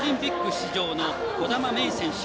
出場の兒玉芽生選手。